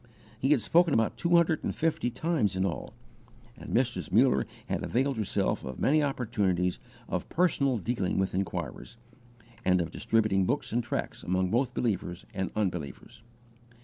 He had spoken about two hundred and fifty times in all; and Mrs. Muller had availed herself of many opportunities of personal dealing with inquirers, and of distributing books and tracts among both believers and unbelievers.